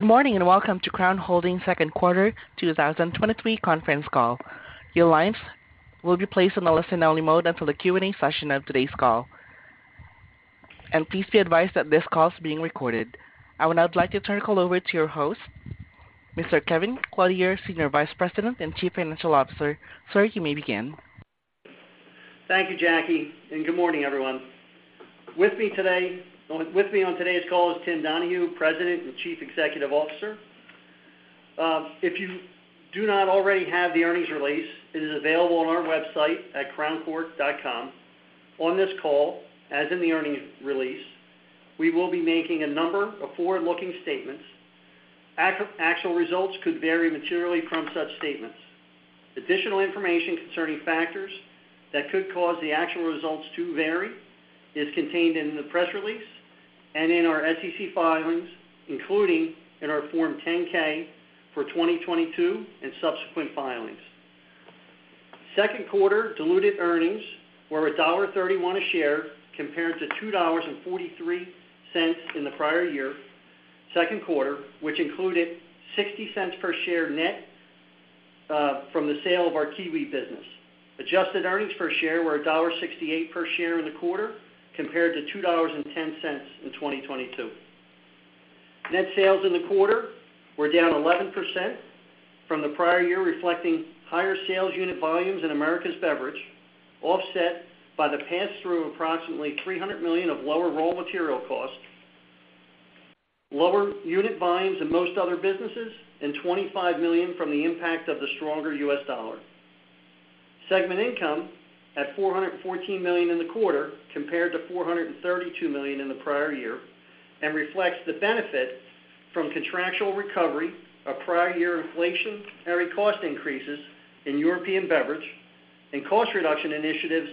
Good morning, welcome to Crown Holdings Q2 2023 Conference Call. Your lines will be placed on a listen-only mode until the Q&A session of today's call. Please be advised that this call is being recorded. I would now like to turn the call over to your host, Mr. Kevin Clothier, Senior Vice President and Chief Financial Officer. Sir, you may begin. Thank you, Jackie, and good morning, everyone. With me on today's call is Tim Donahue, President and Chief Executive Officer. If you do not already have the earnings release, it is available on our website at crowncork.com. On this call, as in the earnings release, we will be making a number of forward-looking statements. Actual results could vary materially from such statements. Additional information concerning factors that could cause the actual results to vary is contained in the press release and in our SEC filings, including in our Form 10-K for 2022 and subsequent filings. Q2 diluted earnings were $1.31 a share, compared to $2.43 in the prior year Q2, which included $0.60 per share net from the sale of our Kiwiplan business. Adjusted earnings per share were $1.68 per share in the quarter, compared to $2.10 in 2022. Net sales in the quarter were down 11% from the prior year, reflecting higher sales unit volumes in Americas Beverage, offset by the pass-through of approximately $300 million of lower raw material costs, lower unit volumes in most other businesses, and $25 million from the impact of the stronger US dollar. Segment income at $414 million in the quarter, compared to $432 million in the prior year, reflects the benefit from contractual recovery of prior year inflationary cost increases in European Beverage and cost reduction initiatives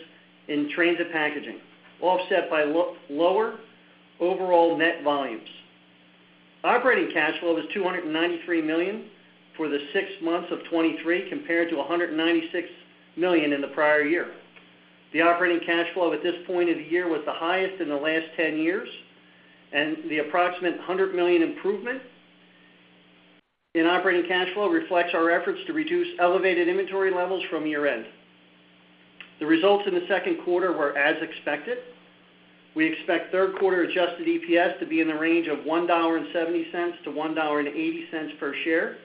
in Transit Packaging, offset by lower overall net volumes. Operating cash flow was $293 million for the six months of 2023, compared to $196 million in the prior year. The operating cash flow at this point of the year was the highest in the last 10 years, and the approximate $100 million improvement in operating cash flow reflects our efforts to reduce elevated inventory levels from year-end. The results in the Q2 were as expected. We expect Q3 adjusted EPS to be in the range of $1.70-$1.80 per share.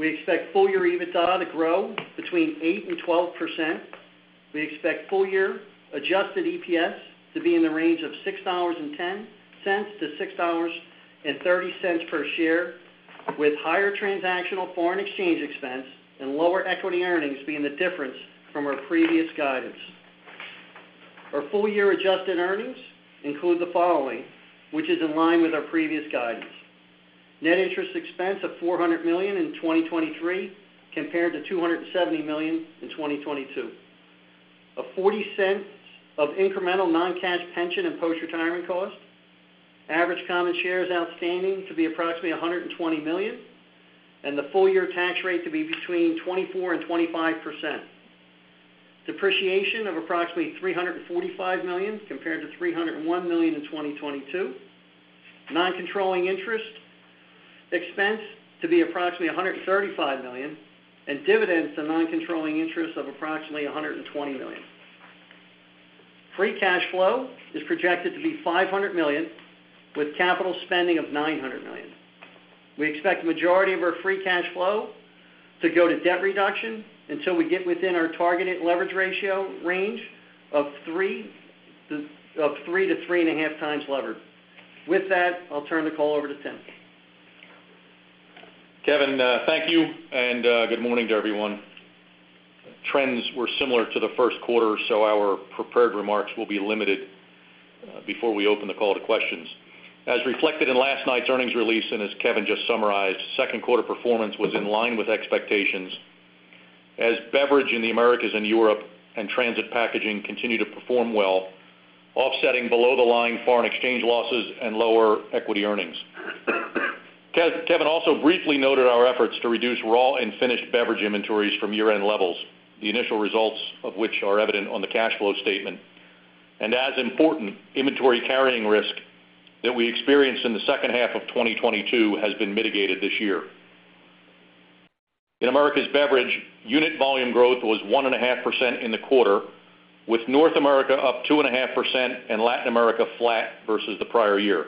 We expect full-year EBITDA to grow between 8%-12%. We expect full-year adjusted EPS to be in the range of $6.10-$6.30 per share, with higher transactional foreign exchange expense and lower equity earnings being the difference from our previous guidance. Our full-year adjusted earnings include the following, which is in line with our previous guidance: Net interest expense of $400 million in 2023, compared to $270 million in 2022. A $0.40 of incremental non-cash pension and post-retirement costs. Average common shares outstanding to be approximately 120 million, and the full-year tax rate to be between 24% and 25%. Depreciation of approximately $345 million, compared to $301 million in 2022. Non-controlling interest expense to be approximately $135 million, and dividends to non-controlling interests of approximately $120 million. Free cash flow is projected to be $500 million, with capital spending of $900 million. We expect the majority of our free cash flow to go to debt reduction until we get within our targeted leverage ratio range of 3-3.5x lever. With that, I'll turn the call over to Tim. Kevin, thank you, good morning to everyone. Trends were similar to the Q1, our prepared remarks will be limited before we open the call to questions. As reflected in last night's earnings release, as Kevin just summarized, Q2 performance was in line with expectations, as beverage in the Americas and Europe and Transit Packaging continued to perform well, offsetting below the line foreign exchange losses and lower equity earnings. Kevin also briefly noted our efforts to reduce raw and finished beverage inventories from year-end levels, the initial results of which are evident on the cash flow statement. As important, inventory carrying risk that we experienced in the H2 of 2022 has been mitigated this year. In Americas Beverage, unit volume growth was 1.5% in the quarter, with North America up 2.5% and Latin America flat versus the prior year.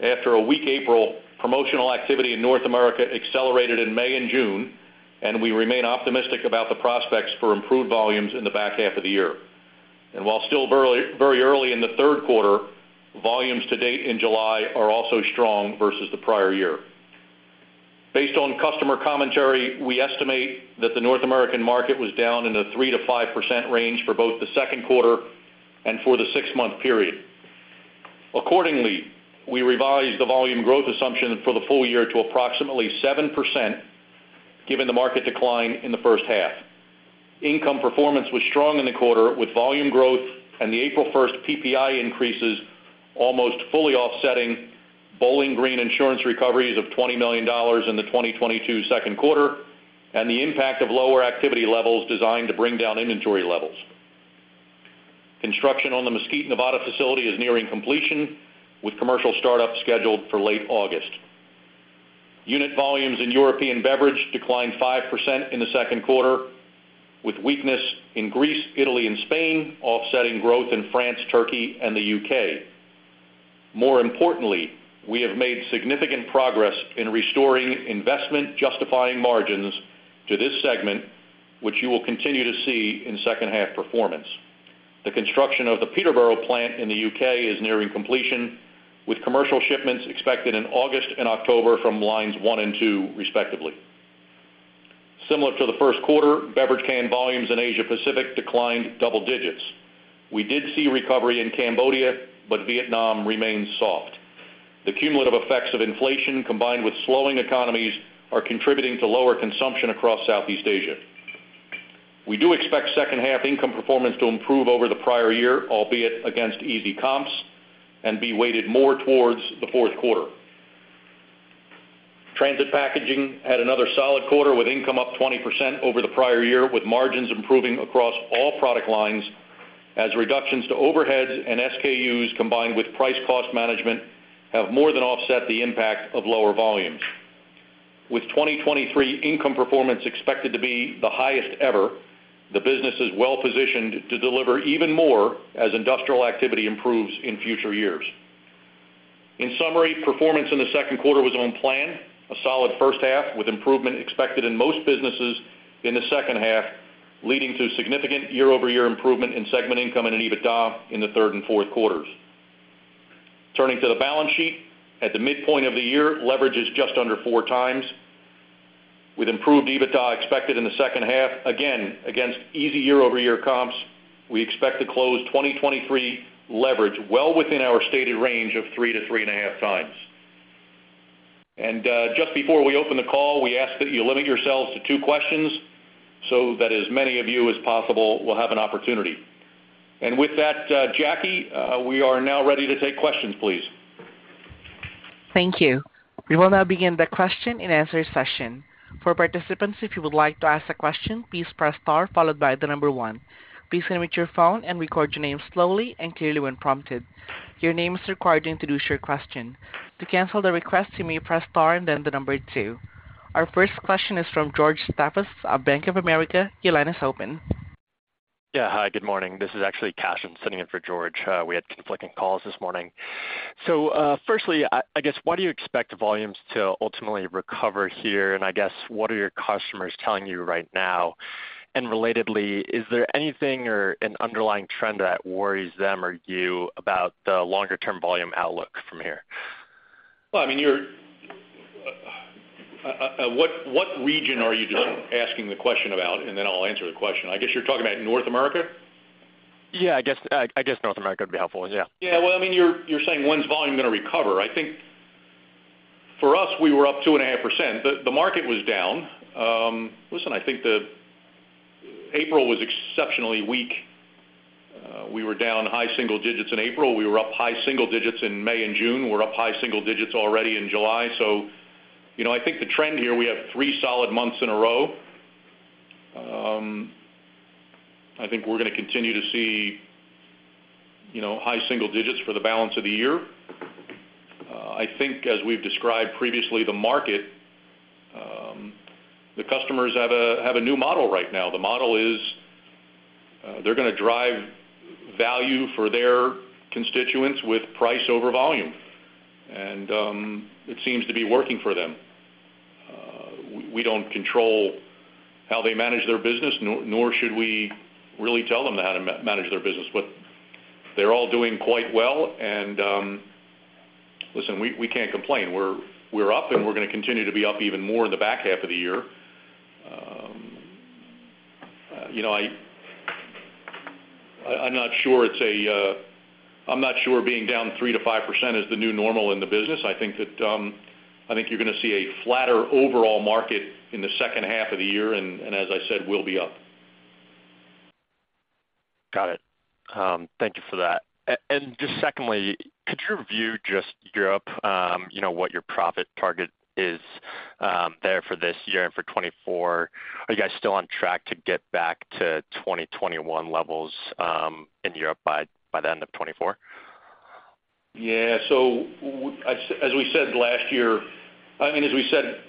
After a weak April, promotional activity in North America accelerated in May and June, we remain optimistic about the prospects for improved volumes in the back half of the year. While still very, very early in the Q3, volumes to date in July are also strong versus the prior year. Based on customer commentary, we estimate that the North American market was down in the 3%-5% range for both the Q2 and for the six-month period. Accordingly, we revised the volume growth assumption for the full year to approximately 7%, given the market decline in the H1. Income performance was strong in the quarter, with volume growth and the April 1st PPI increases almost fully offsetting Braunstone Insurance recoveries of $20 million in the 2022 Q2, and the impact of lower activity levels designed to bring down inventory levels. Construction on the Mesquite, Nevada facility is nearing completion, with commercial startup scheduled for late August. Unit volumes in European Beverage declined 5% in the Q2, with weakness in Greece, Italy, and Spain, offsetting growth in France, Turkey, and the U.K. More importantly, we have made significant progress in restoring investment, justifying margins to this segment, which you will continue to see in H2 performance. The construction of the Peterborough plant in the U.K. is nearing completion, with commercial shipments expected in August and October from lines one and two, respectively. Similar to the Q1, beverage can volumes in Asia Pacific declined double digits. We did see recovery in Cambodia, but Vietnam remains soft. The cumulative effects of inflation, combined with slowing economies, are contributing to lower consumption across Southeast Asia. We do expect H2 income performance to improve over the prior year, albeit against easy comps, and be weighted more towards the Q4. Transit Packaging had another solid quarter, with income up 20% over the prior year, with margins improving across all product lines as reductions to overheads and SKUs, combined with price cost management, have more than offset the impact of lower volumes. With 2023 income performance expected to be the highest ever, the business is well positioned to deliver even more as industrial activity improves in future years. In summary, performance in the Q2 was on plan, a solid H1, with improvement expected in most businesses in the H2, leading to significant year-over-year improvement in segment income and in EBITDA in the Q3 and Q4. Turning to the balance sheet. At the midpoint of the year, leverage is just under 4x. With improved EBITDA expected in the H2, again, against easy year-over-year comps, we expect to close 2023 leverage well within our stated range of 3-3.5x. Just before we open the call, we ask that you limit yourselves to two questions, so that as many of you as possible will have an opportunity. With that, Jackie, we are now ready to take questions, please. Thank you. We will now begin the question and answer session. For participants, if you would like to ask a question, please press star followed by one. Please limit your phone and record your name slowly and clearly when prompted. Your name is required to introduce your question. To cancel the request, you may press star and then two. Our first question is from George Staphos of Bank of America. Your line is open. Hi, good morning. This is actually Cashen sitting in for George. We had conflicting calls this morning. Firstly, I guess, why do you expect the volumes to ultimately recover here? I guess, what are your customers telling you right now? Relatedly, is there anything or an underlying trend that worries them or you about the longer term volume outlook from here? Well, I mean, what region are you just asking the question about? Then I'll answer the question. I guess you're talking about North America. Yeah, I guess, I guess North America would be helpful. Yeah. Yeah. Well, I mean, you're saying, when's volume going to recover? I think for us, we were up 2.5%. The market was down. Listen, I think April was exceptionally weak. We were down high single digits in April. We were up high single digits in May and June. We're up high single digits already in July. You know, I think the trend here, we have three solid months in a row. I think we're going to continue to see, you know, high single digits for the balance of the year. I think as we've described previously, the market, the customers have a new model right now. The model is, they're going to drive value for their constituents with price over volume, and it seems to be working for them. We don't control how they manage their business, nor should we really tell them how to manage their business, but they're all doing quite well. Listen, we can't complain. We're up, and we're gonna continue to be up even more in the back half of the year. You know, I'm not sure it's a... I'm not sure being down 3%-5% is the new normal in the business. I think that, I think you're gonna see a flatter overall market in the H2 of the year, and as I said, we'll be up. Got it. Thank you for that. Just secondly, could you review just Europe, you know, what your profit target is there for this year and for 2024? Are you guys still on track to get back to 2021 levels, in Europe by the end of 2024? Yeah. As we said last year, I mean, as we said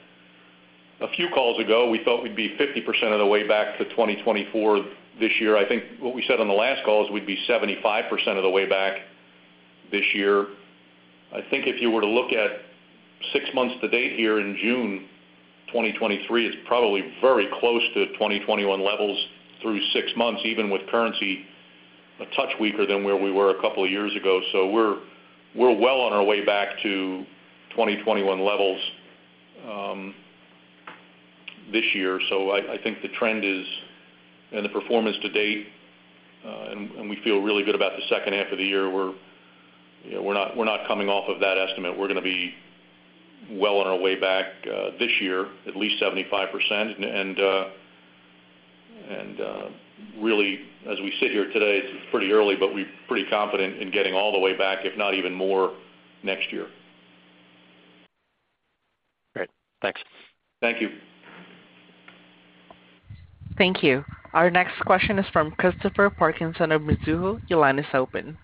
a few calls ago, we thought we'd be 50% of the way back to 2024 this year. I think what we said on the last call is we'd be 75% of the way back this year. I think if you were to look at 6 months to date here in June 2023, it's probably very close to 2021 levels through 6 months, even with currency a touch weaker than where we were a couple of years ago. We're well on our way back to 2021 levels this year. I think the trend is, and the performance to date, and we feel really good about the H2 of the year. We're, you know, we're not coming off of that estimate. We're going to be well on our way back, this year, at least 75%. Really, as we sit here today, it's pretty early, but we're pretty confident in getting all the way back, if not even more, next year. Thank you. Thank you. Our next question is from Christopher Parkinson of Mizuho. Your line is open.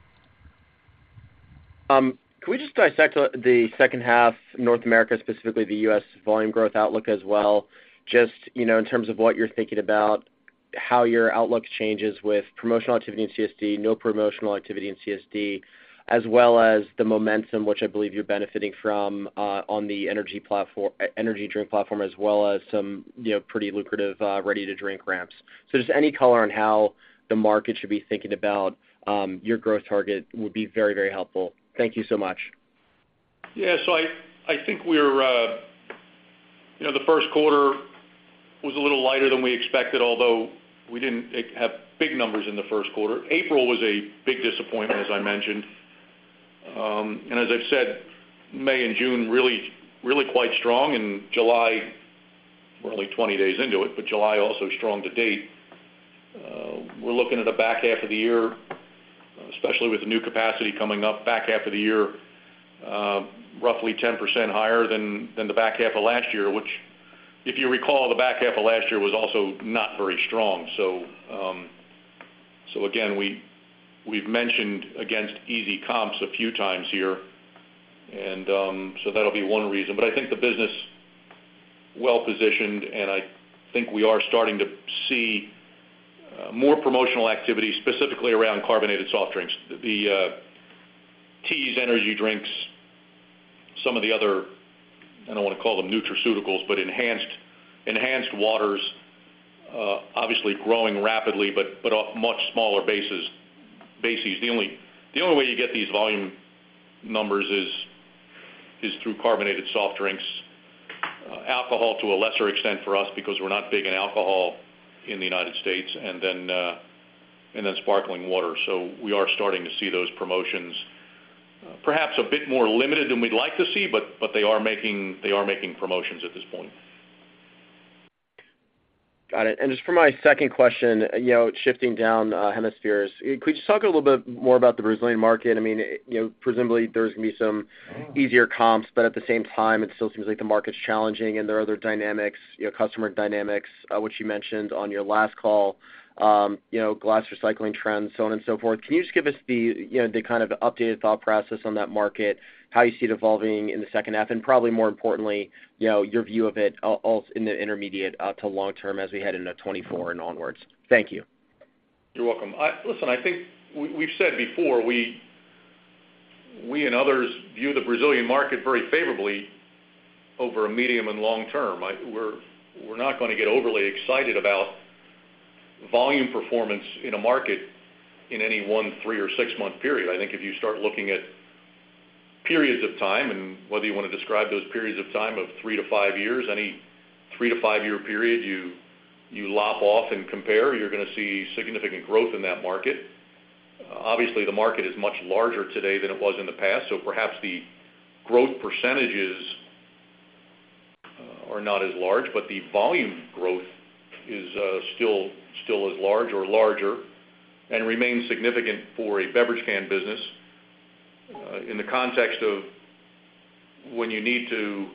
Can we just dissect the H2 North America, specifically the US volume growth outlook as well? Just, you know, in terms of what you're thinking about, how your outlook changes with promotional activity in CSD, no promotional activity in CSD, as well as the momentum, which I believe you're benefiting from on the energy platform, energy drink platform, as well as some, you know, pretty lucrative ready to drink ramps. Just any color on how the market should be thinking about your growth target would be very, very helpful. Thank you so much. Yeah. I think we're, you know, the Q1 was a little lighter than we expected, although we didn't have big numbers in the Q1. April was a big disappointment, as I mentioned. As I've said, May and June, really, really quite strong, and July, we're only 20 days into it, but July also strong to date. We're looking at the back half of the year, especially with the new capacity coming up, back half of the year, roughly 10% higher than the back half of last year, which, if you recall, the back half of last year was also not very strong. Again, we've mentioned against easy comps a few times here, and that'll be one reason. I think the business, well positioned, and I think we are starting to see, more promotional activity, specifically around carbonated soft drinks. The teas, energy drinks, some of the other, I don't want to call them nutraceuticals, but enhanced waters, obviously growing rapidly, but off much smaller bases. The only way you get these volume numbers is through carbonated soft drinks, alcohol to a lesser extent for us, because we're not big in alcohol in the United States, and then sparkling water. We are starting to see those promotions. Perhaps a bit more limited than we'd like to see, but they are making promotions at this point. Got it. Just for my second question, you know, shifting down, hemispheres, could you just talk a little bit more about the Brazilian market? I mean, you know, presumably there's gonna be some easier comps, but at the same time, it still seems like the market's challenging, and there are other dynamics, you know, customer dynamics, which you mentioned on your last call, you know, glass recycling trends, so on and so forth. Can you just give us the, you know, the kind of updated thought process on that market, how you see it evolving in the H2, and probably more importantly, you know, your view of it in the intermediate, to long term as we head into 2024 and onwards? Thank you. You're welcome. Listen, I think we've said before, we and others view the Brazilian market very favorably over a medium and long term. We're not going to get overly excited about volume performance in a market in any one, three or six-month period. I think if you start looking at periods of time, and whether you want to describe those periods of time of three to five years, any three to five-year period, you lop off and compare, you're going to see significant growth in that market. Obviously, the market is much larger today than it was in the past, so perhaps the growth percentages are not as large, but the volume growth is still as large or larger and remains significant for a beverage can business in the context of when you need to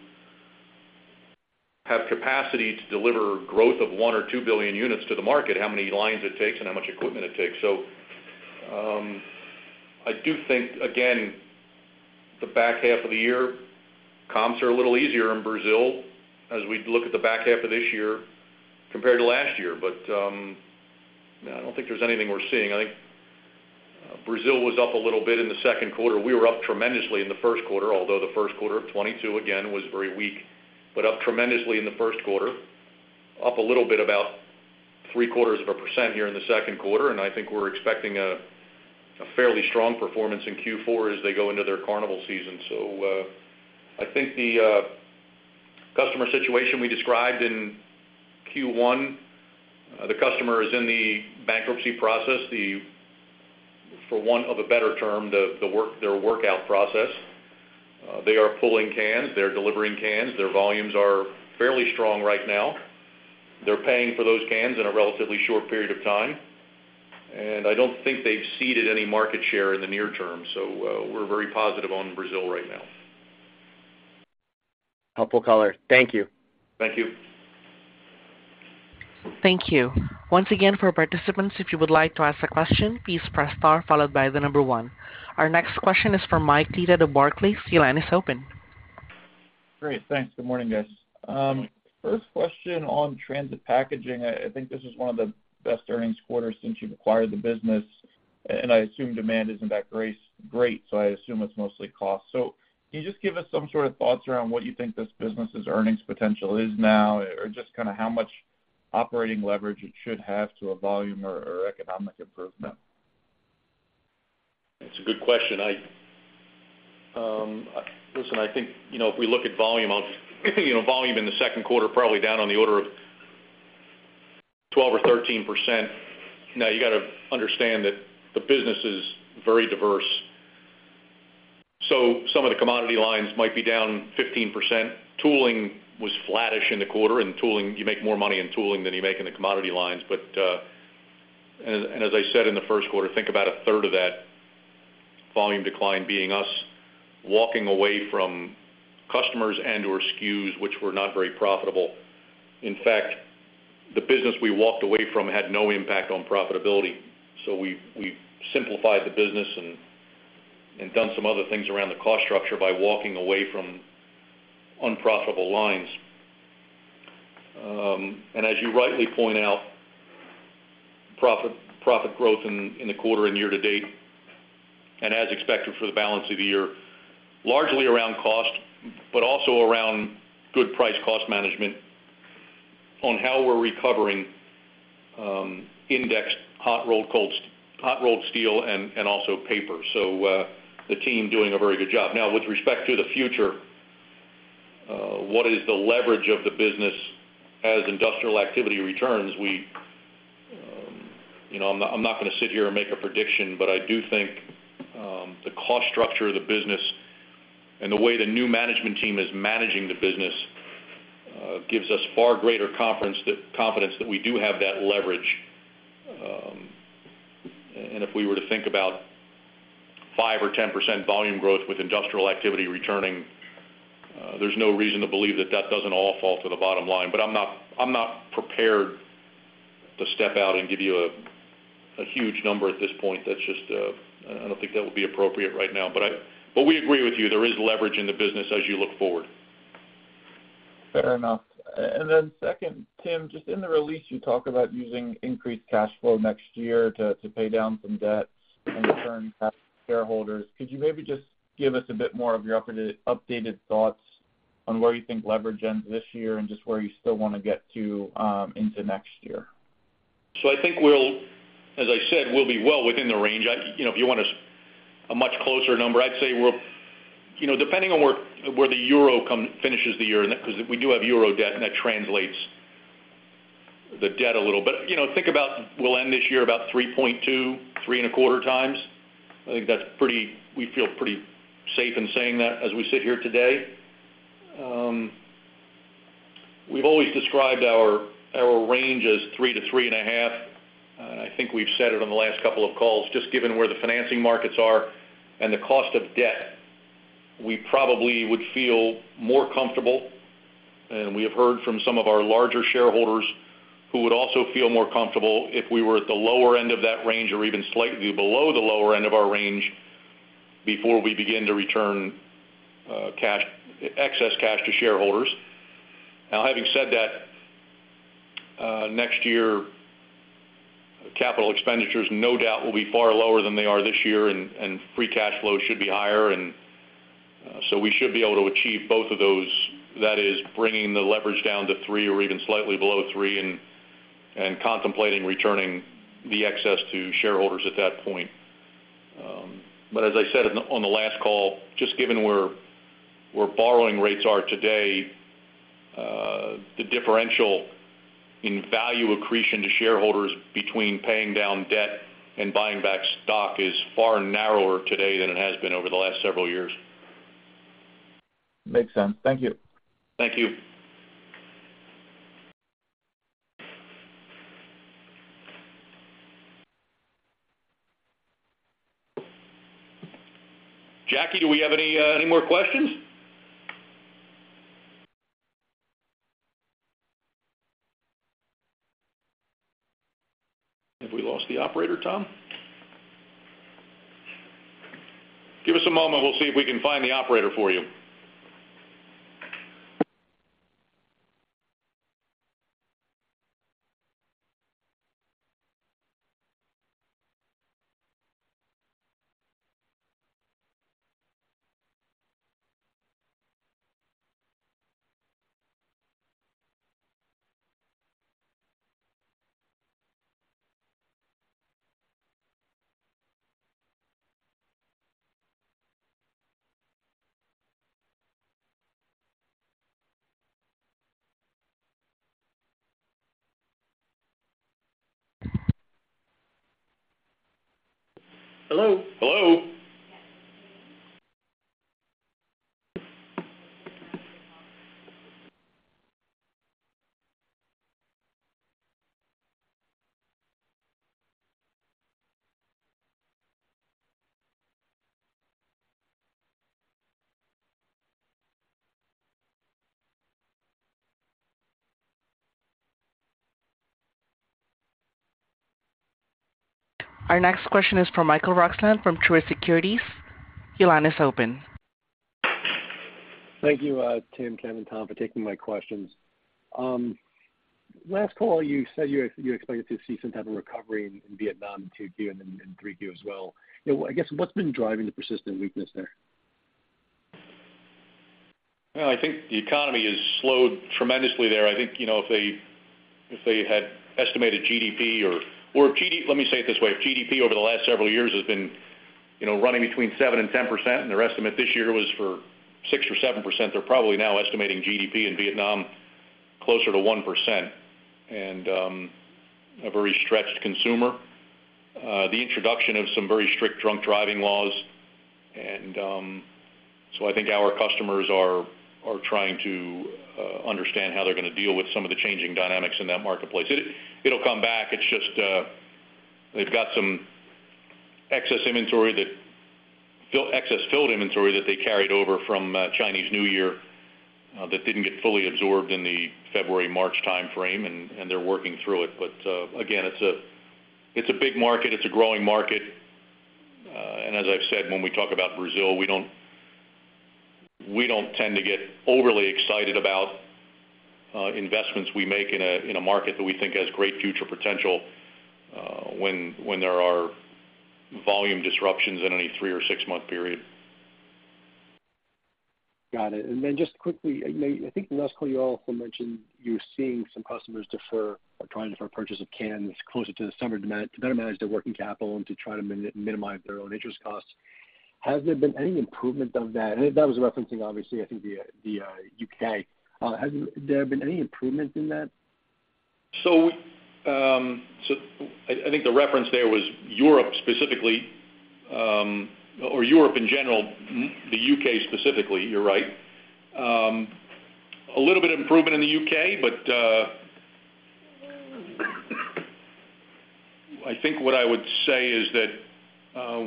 have capacity to deliver growth of 1 or 2 billion units to the market, how many lines it takes and how much equipment it takes. I do think, again, the back half of the year, comps are a little easier in Brazil as we look at the back half of this year compared to last year. I don't think there's anything we're seeing. I think Brazil was up a little bit in the Q2. We were up tremendously in the Q1, although the Q1 of 2022, again, was very weak. up tremendously in the Q1, up a little bit about three-quarters of a % here in the Q2, I think we're expecting a fairly strong performance in Q4 as they go into their Carnival season. I think the customer situation we described in Q1, the customer is in the bankruptcy process, for want of a better term, their workout process. They are pulling cans, they're delivering cans. Their volumes are fairly strong right now. They're paying for those cans in a relatively short period of time, I don't think they've ceded any market share in the near term. We're very positive on Brazil right now. Helpful color. Thank you. Thank you. Thank you. Once again, for participants, if you would like to ask a question, please press star followed by the number 1. Our next question is from Mike Leithead of Barclays. Your line is open. Great. Thanks. Good morning, guys. First question on Transit Packaging. I think this is one of the best earnings quarters since you've acquired the business. I assume demand isn't that great, I assume it's mostly cost. Can you just give us some sort of thoughts around what you think this business's earnings potential is now, or just kind of how much operating leverage it should have to a volume or economic improvement? It's a good question. I listen, I think, you know, if we look at volume, you know, volume in the Q2, probably down on the order of 12% or 13%. You got to understand that the business is very diverse. Some of the commodity lines might be down 15%. Tooling was flattish in the quarter, and tooling, you make more money in tooling than you make in the commodity lines. And as I said in the Q1, think about a third of that volume decline being us walking away from customers and or SKUs, which were not very profitable. In fact, the business we walked away from had no impact on profitability. We simplified the business and done some other things around the cost structure by walking away from unprofitable lines. And as you rightly point out, profit growth in the quarter and year to date, and as expected for the balance of the year, largely around cost, but also around good price cost management on how we're recovering, indexed hot rolled steel and also paper. The team doing a very good job. Now, with respect to the future, what is the leverage of the business as industrial activity returns? We, you know, I'm not going to sit here and make a prediction, but I do think the cost structure of the business and the way the new management team is managing the business, gives us far greater confidence that we do have that leverage. If we were to think about 5% or 10% volume growth with industrial activity returning, there's no reason to believe that doesn't all fall to the bottom line. I'm not, I'm not prepared to step out and give you a huge number at this point. That's just, I don't think that would be appropriate right now. We agree with you, there is leverage in the business as you look forward. Fair enough. Second, Tim, just in the release, you talk about using increased cash flow next year to pay down some debt and return shareholders. Could you maybe just give us a bit more of your updated thoughts on where you think leverage ends this year and just where you still want to get to into next year? I think we'll, as I said, we'll be well within the range. I, you know, if you want a much closer number, I'd say we're. You know, depending on where the euro finishes the year, because we do have euro debt, and that translates the debt a little. You know, think about we'll end this year about 3.2, 3.25x. I think that's we feel pretty safe in saying that as we sit here today. We've always described our range as 3-3.5. I think we've said it on the last couple of calls, just given where the financing markets are and the cost of debt, we probably would feel more comfortable, and we have heard from some of our larger shareholders who would also feel more comfortable if we were at the lower end of that range or even slightly below the lower end of our range before we begin to return cash, excess cash to shareholders. Having said that, next year, capital expenditures no doubt will be far lower than they are this year, and free cash flow should be higher. We should be able to achieve both of those. That is, bringing the leverage down to three or even slightly below three and contemplating returning the excess to shareholders at that point. As I said on the last call, just given where borrowing rates are today, the differential in value accretion to shareholders between paying down debt and buying back stock is far narrower today than it has been over the last several years. Makes sense. Thank you. Thank you. Jackie, do we have any more questions? Have we lost the operator, Tom? Give us a moment. We'll see if we can find the operator for you. Hello? Hello? Our next question is from Michael Roxland from Truist Securities. Your line is open. Thank you, Tim, Kevin, and Tom, for taking my questions. Last call, you said you expected to see some type of recovery in Vietnam in Q2 and then in Q3 as well. I guess, what's been driving the persistent weakness there? Well, I think the economy has slowed tremendously there. I think, you know, if they had estimated GDP or, let me say it this way: GDP over the last several years has been, you know, running between 7% and 10%, and their estimate this year was for 6% or 7%. They're probably now estimating GDP in Vietnam closer to 1%. A very stretched consumer. The introduction of some very strict drunk driving laws and. I think our customers are trying to understand how they're going to deal with some of the changing dynamics in that marketplace. It'll come back. It's just, they've got some excess inventory that excess filled inventory that they carried over from, Chinese New Year, that didn't get fully absorbed in the February, March time frame, and they're working through it. Again, it's a, it's a big market, it's a growing market. As I've said, when we talk about Brazil, we don't, we don't tend to get overly excited about, investments we make in a, in a market that we think has great future potential, when there are volume disruptions in any three or six-month period. Got it. Just quickly, I think last call, you also mentioned you're seeing some customers defer or trying to defer purchase of cans closer to the summer demand to better manage their working capital and to try to minimize their own interest costs. Has there been any improvement on that? That was referencing, obviously, I think, the U.K. Has there been any improvement in that? I think the reference there was Europe, specifically, or Europe in general, the U.K. specifically, you're right. A little bit of improvement in the U.K., but I think what I would say is that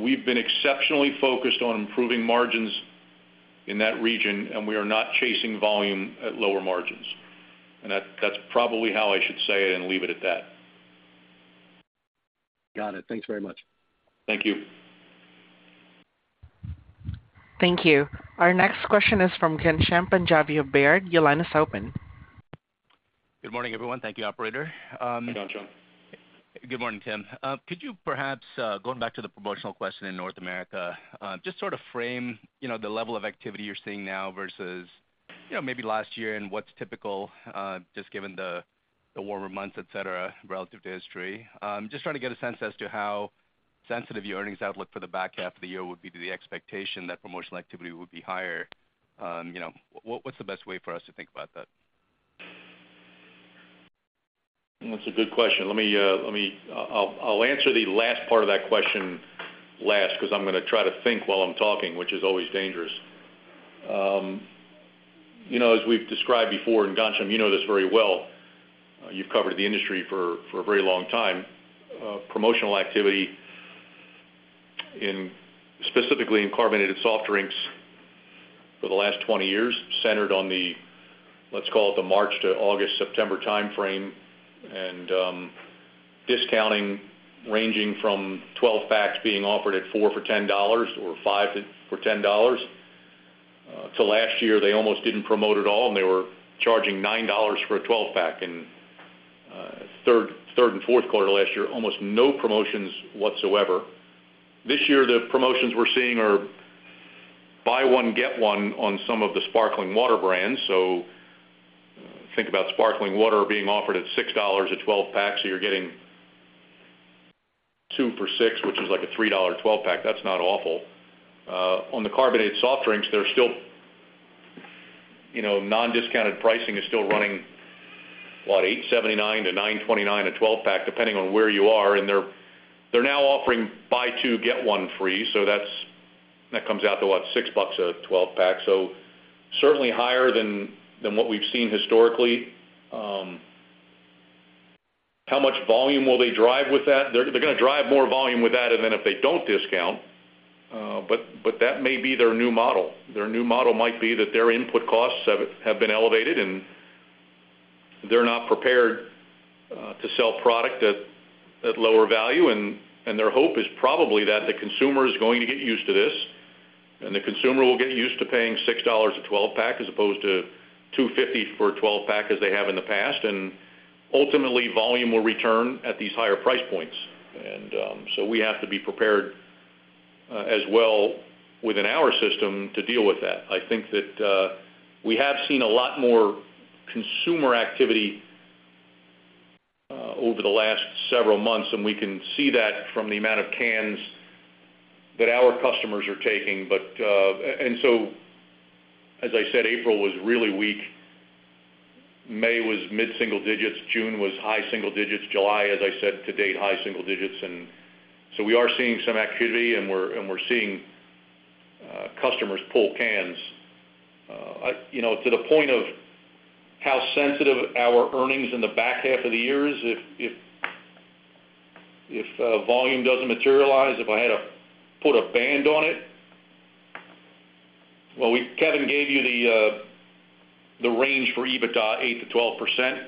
we've been exceptionally focused on improving margins in that region, and we are not chasing volume at lower margins. That, that's probably how I should say it and leave it at that. Got it. Thanks very much. Thank you. Thank you. Our next question is from Ghansham Panjabi of Baird. Your line is open. Good morning, everyone. Thank you, operator. Hey, Ghansham. Good morning, Tim. Could you perhaps, going back to the promotional question in North America, just sort of frame, you know, the level of activity you're seeing now versus, you know, maybe last year and what's typical, just given the warmer months, et cetera, relative to history? Just trying to get a sense as to how sensitive your earnings outlook for the back half of the year would be to the expectation that promotional activity would be higher. You know, what's the best way for us to think about that? That's a good question. I'll answer the last part of that question last, 'cause I'm going to try to think while I'm talking, which is always dangerous. You know, as we've described before, and Ghansham, you know this very well, you've covered the industry for a very long time. Promotional activity in, specifically in carbonated soft drinks for the last 20 years, centered on the, let's call it, the March to August, September time frame, and discounting ranging from 12-packs being offered at 4 for $10 or 5 for $10. Till last year, they almost didn't promote at all, and they were charging $9 for a 12-pack. In Q3 and Q4 last year, almost no promotions whatsoever. This year, the promotions we're seeing are buy one, get one on some of the sparkling water brands. Think about sparkling water being offered at $6 a 12-pack, so you're getting 2 for $6, which is like a $3 12-pack. That's not awful. On the carbonated soft drinks, they're still, you know, non-discounted pricing is still running, what, $8.79-$9.29 a 12-pack, depending on where you are, and they're now offering buy two, get one free. That comes out to, what? $6 a 12-pack. Certainly higher than what we've seen historically. How much volume will they drive with that? They're going to drive more volume with that, and then if they don't discount, but that may be their new model. Their new model might be that their input costs have been elevated, and they're not prepared to sell product at lower value. Their hope is probably that the consumer is going to get used to this, and the consumer will get used to paying $6 a 12-pack, as opposed to $2.50 for a 12-pack as they have in the past. Ultimately, volume will return at these higher price points. So we have to be prepared as well within our system to deal with that. I think that we have seen a lot more consumer activity over the last several months, and we can see that from the amount of cans that our customers are taking. As I said, April was really weak. May was mid-single digits. June was high single digits. July, as I said, to date, high single digits. We are seeing some activity, and we're seeing customers pull cans. I, you know, to the point of how sensitive our earnings in the back half of the year is, if volume doesn't materialize, if I had to put a band on it? Kevin gave you the range for EBITDA, 8%-12%.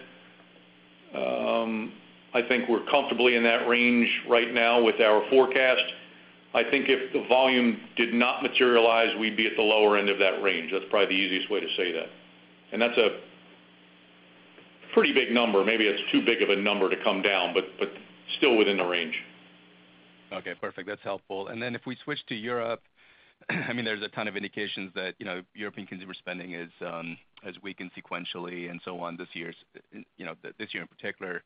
I think we're comfortably in that range right now with our forecast. I think if the volume did not materialize, we'd be at the lower end of that range. That's probably the easiest way to say that. That's a pretty big number. Maybe it's too big of a number to come down, but still within the range. Okay, perfect. That's helpful. Then if we switch to Europe, I mean, there's a ton of indications that, you know, European consumer spending has weakened sequentially and so on this year's, you know, this year in particular.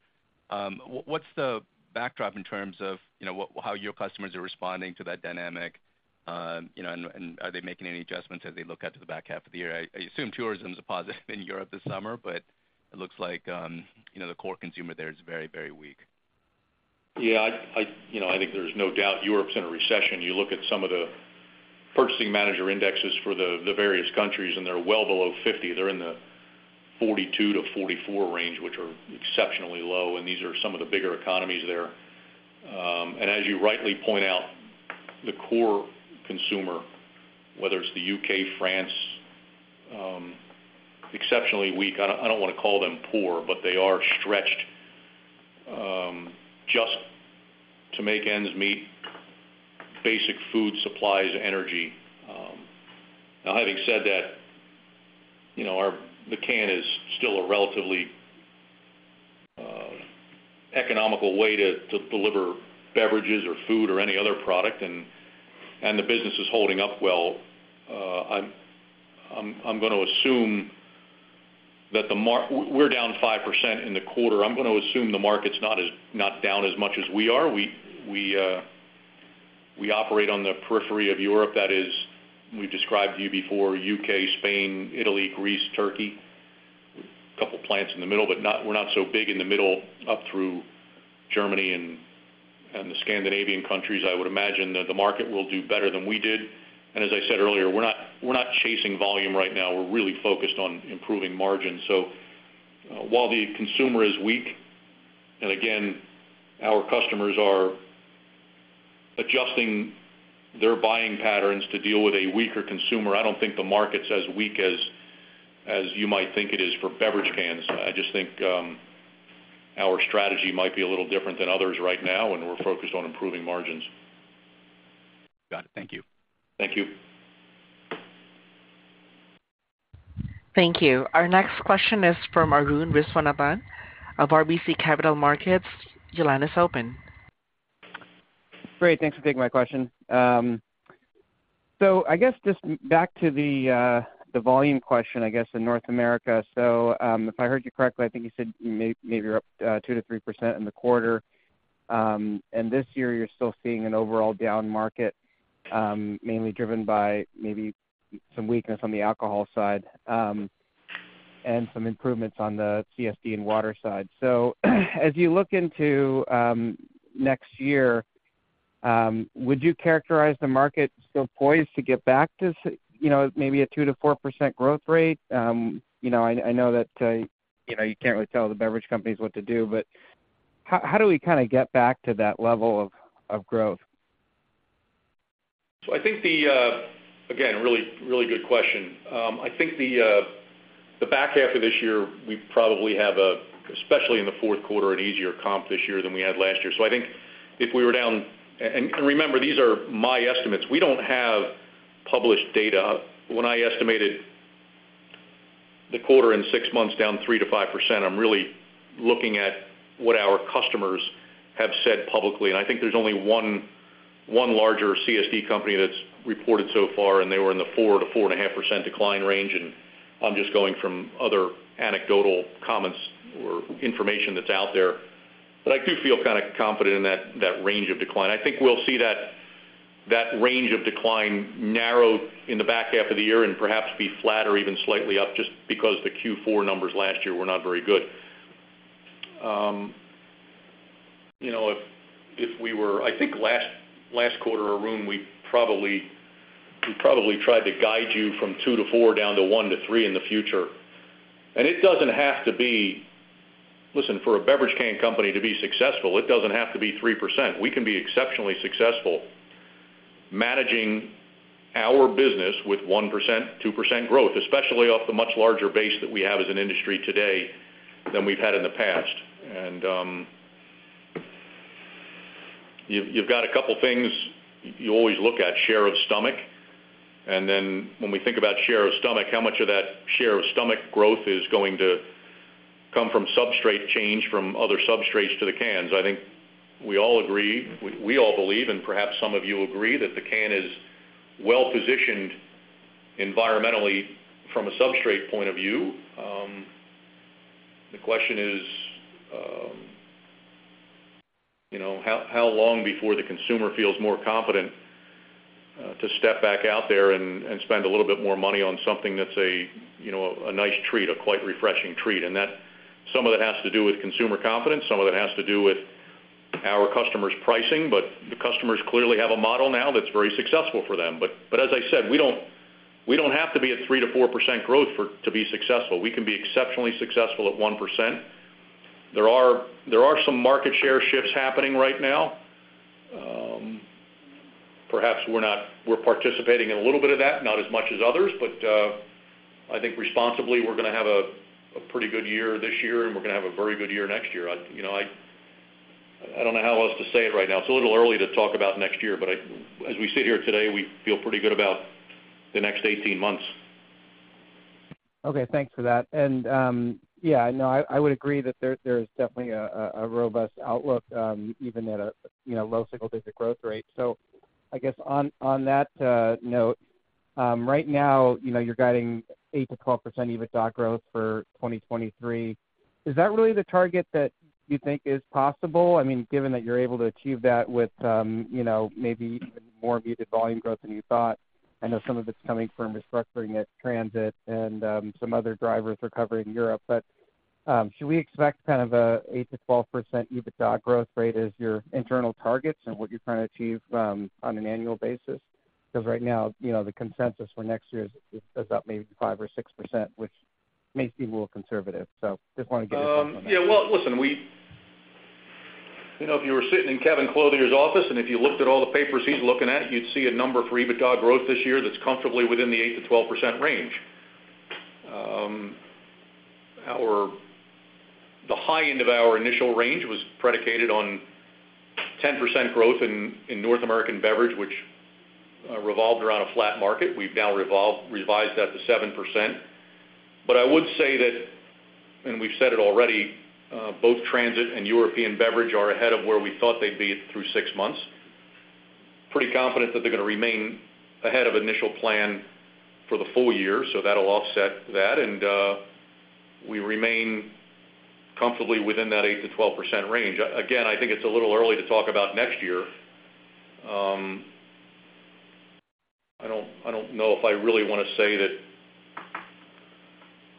What's the backdrop in terms of, you know, how your customers are responding to that dynamic? You know, and are they making any adjustments as they look out to the back half of the year? I assume tourism is a positive in Europe this summer, but it looks like, you know, the core consumer there is very, very weak. Yeah, I, you know, I think there's no doubt Europe's in a recession. You look at some of the Purchasing Managers' Indexes for the various countries, and they're well below 50. They're in the 42-44 range, which are exceptionally low, and these are some of the bigger economies there. As you rightly point out, the core consumer, whether it's the UK, France, exceptionally weak. I don't want to call them poor, but they are stretched, just to make ends meet, basic food supplies, energy. Having said that, you know, the can is still a relatively economical way to deliver beverages or food or any other product, and the business is holding up well. I'm going to assume that the we're down 5% in the quarter. I'm going to assume the market's not down as much as we are. We operate on the periphery of Europe. That is, we've described to you before, UK, Spain, Italy, Greece, Turkey, couple plants in the middle, we're not so big in the middle, up through Germany and the Scandinavian countries. I would imagine that the market will do better than we did. As I said earlier, we're not chasing volume right now. We're really focused on improving margins. While the consumer is weak, and again, our customers are adjusting their buying patterns to deal with a weaker consumer, I don't think the market's as weak as you might think it is for beverage cans. I just think our strategy might be a little different than others right now, and we're focused on improving margins. Got it. Thank you. Thank you. Thank you. Our next question is from Arun Viswanathan of RBC Capital Markets. Your line is open. Great, thanks for taking my question. Just back to the volume question in North America. If I heard you correctly, I think you said maybe you're up 2%-3% in the quarter. This year, you're still seeing an overall down market, mainly driven by maybe some weakness on the alcohol side, and some improvements on the CSD and water side. As you look into next year, would you characterize the market still poised to get back to, you know, maybe a 2%-4% growth rate? You know, I know that, you know, you can't really tell the beverage companies what to do, but how do we kind of get back to that level of growth? I think the again, really, really good question. I think the back half of this year, we probably have, especially in the Q4, an easier comp this year than we had last year. I think if we were down. Remember, these are my estimates. We don't have published data. When I estimated the quarter and six months down 3%-5%, I'm really looking at what our customers have said publicly, and I think there's only one larger CSD company that's reported so far, and they were in the 4%-4.5% decline range, and I'm just going from other anecdotal comments or information that's out there. I do feel kind of confident in that range of decline. I think we'll see that range of decline narrow in the back half of the year and perhaps be flatter, even slightly up, just because the Q4 numbers last year were not very good. You know, I think last quarter, Arun, we probably tried to guide you from 2%-4%, down to 1%-3% in the future. It doesn't have to be, listen, for a beverage can company to be successful, it doesn't have to be 3%. We can be exceptionally successful managing our business with 1%, 2% growth, especially off the much larger base that we have as an industry today than we've had in the past. You've got a couple things you always look at, share of stomach, and then when we think about share of stomach, how much of that share of stomach growth is going to come from substrate change from other substrates to the cans? I think we all agree, we all believe, and perhaps some of you agree, that the can is well positioned environmentally from a substrate point of view. The question is, you know, how long before the consumer feels more confident to step back out there and spend a little bit more money on something that's a, you know, a nice treat, a quite refreshing treat? That, some of that has to do with consumer confidence, some of it has to do with our customers' pricing, but the customers clearly have a model now that's very successful for them. As I said, we don't have to be at 3%-4% growth for, to be successful. We can be exceptionally successful at 1%. There are some market share shifts happening right now. Perhaps we're participating in a little bit of that, not as much as others, but I think responsibly, we're going to have a pretty good year this year, and we're going to have a very good year next year. I, you know, I don't know how else to say it right now. It's a little early to talk about next year, but as we sit here today, we feel pretty good about the next 18 months. Okay, thanks for that. Yeah, no, I would agree that there is definitely a robust outlook, even at a, you know, low single-digit growth rate. I guess on that note, right now, you know, you're guiding 8%-12% EBITDA growth for 2023. Is that really the target that you think is possible? I mean, given that you're able to achieve that with, you know, maybe even more muted volume growth than you thought? I know some of it's coming from restructuring at Transit and some other drivers recovering Europe. Should we expect kind of a 8%-12% EBITDA growth rate as your internal targets and what you're trying to achieve, on an annual basis? Right now, you know, the consensus for next year is about maybe 5% or 6%, which may seem a little conservative. Just want to get your thoughts on that. Yeah, well, listen, you know, if you were sitting in Kevin Clothier's office, and if you looked at all the papers he's looking at, you'd see a number for EBITDA growth this year that's comfortably within the 8%-12% range. The high end of our initial range was predicated on 10% growth in North American beverage, which revolved around a flat market. We've now revised that to 7%. I would say that, and we've said it already, both Transit and European Beverage are ahead of where we thought they'd be through six months. Pretty confident that they're going to remain ahead of initial plan for the full year, so that'll offset that. We remain comfortably within that 8%-12% range. Again, I think it's a little early to talk about next year. I don't know if I really want to say that.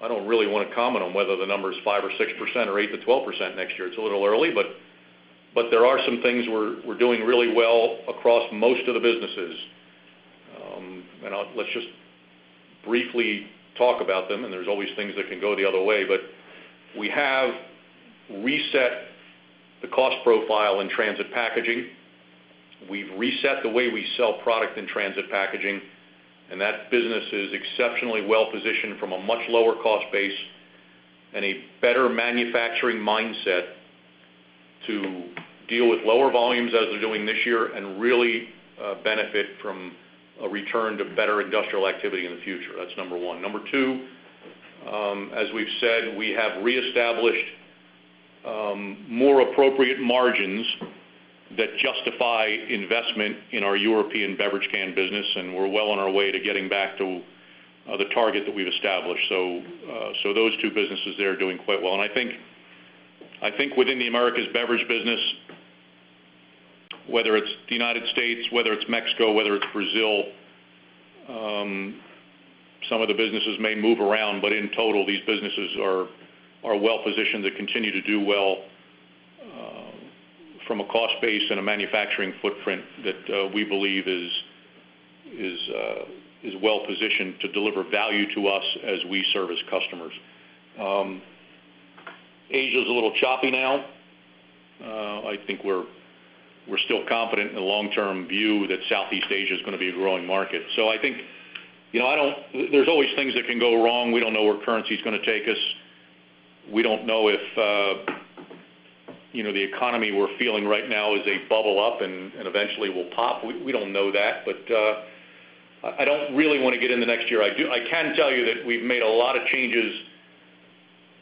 I don't really want to comment on whether the number is 5% or 6% or 8%-12% next year. It's a little early, but there are some things we're doing really well across most of the businesses. Let's just briefly talk about them, and there's always things that can go the other way. We have reset the cost profile in Transit Packaging. We've reset the way we sell product in Transit Packaging, and that business is exceptionally well positioned from a much lower cost base and a better manufacturing mindset to deal with lower volumes as they're doing this year, and really benefit from a return to better industrial activity in the future. That's number one. Number two, as we've said, we have reestablished more appropriate margins that justify investment in our European Beverage can business, and we're well on our way to getting back to the target that we've established. Those two businesses there are doing quite well. I think within the Americas Beverage business, whether it's the United States, whether it's Mexico, whether it's Brazil, some of the businesses may move around, but in total, these businesses are well positioned to continue to do well from a cost base and a manufacturing footprint that we believe is well positioned to deliver value to us as we service customers. Asia is a little choppy now. I think we're still confident in the long-term view that Southeast Asia is going to be a growing market. I think, you know, there's always things that can go wrong. We don't know where currency is going to take us. We don't know if, you know, the economy we're feeling right now is a bubble up and eventually will pop. We don't know that. I don't really want to get into next year. I can tell you that we've made a lot of changes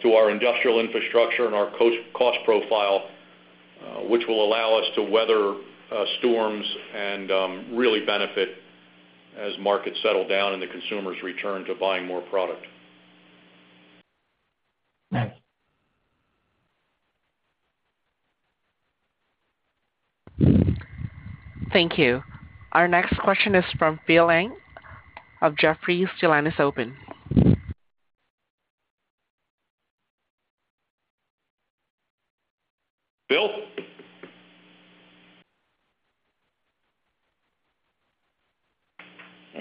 to our industrial infrastructure and our cost profile, which will allow us to weather storms and really benefit as markets settle down and the consumers return to buying more product. Thanks. Thank you. Our next question is from Phil Ng of Jefferies. Your line is open. Phil? All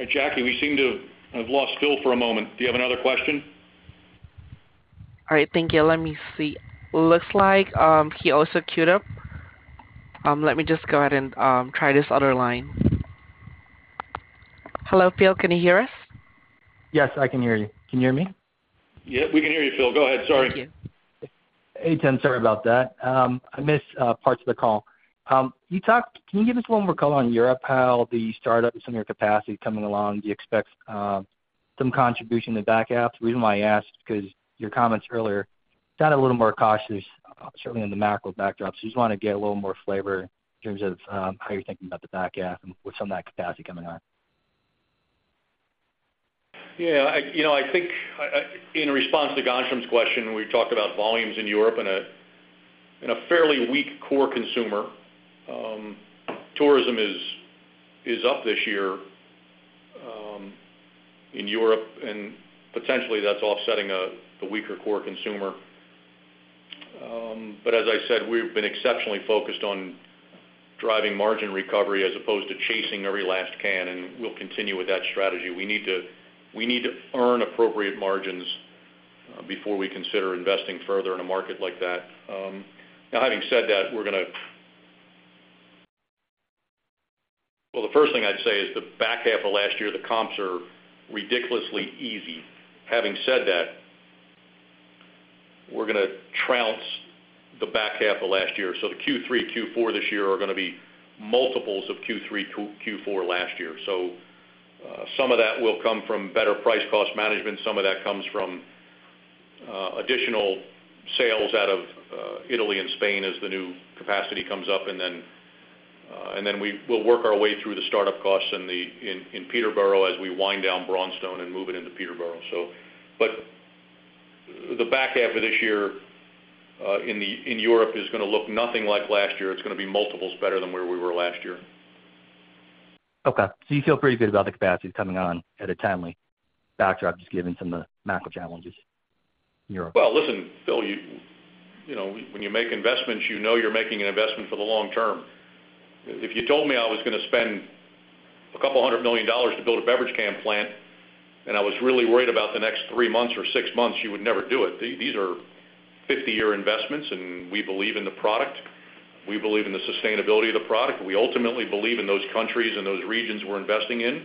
right, Jackie, we seem to have lost Phil for a moment. Do you have another question? All right, thank you. Let me see. Looks like he also queued up. Let me just go ahead and try this other line. Hello, Phil, can you hear us? Yes, I can hear you. Can you hear me? Yep, we can hear you, Phil. Go ahead. Sorry. Thank you. Hey, Tim, sorry about that. I missed parts of the call. Can you give us a little more color on Europe, how the startups and your capacity coming along? Do you expect some contribution in the back half? The reason why I ask is because your comments earlier sounded a little more cautious, certainly in the macro backdrop. Just want to get a little more flavor in terms of how you're thinking about the back half and with some of that capacity coming on. Yeah, I, you know, I think in response to Ghansham's question, we talked about volumes in Europe in a, in a fairly weak core consumer. Tourism is up this year in Europe, and potentially, that's offsetting a, the weaker core consumer. As I said, we've been exceptionally focused on driving margin recovery as opposed to chasing every last can, and we'll continue with that strategy. We need to earn appropriate margins before we consider investing further in a market like that. Having said that, the first thing I'd say is the back half of last year, the comps are ridiculously easy. Having said that, we're going to trounce the back half of last year. The Q3, Q4 this year are going to be multiples of Q3, Q4 last year. Some of that will come from better price cost management. Some of that comes from additional sales out of Italy and Spain as the new capacity comes up, and then we'll work our way through the startup costs in Peterborough as we wind down Braunstone and move it into Peterborough. The back half of this year, in Europe is going to look nothing like last year. It's going to be multiples better than where we were last year. Okay. you feel pretty good about the capacity coming on at a timely backdrop, just given some of the macro challenges in Europe? Listen, Phil, you know, when you make investments, you know you're making an investment for the long term. If you told me I was going to spend $200 million to build a beverage can plant, and I was really worried about the next three months or six months, you would never do it. These are 50-year investments, and we believe in the product. We believe in the sustainability of the product. We ultimately believe in those countries and those regions we're investing in.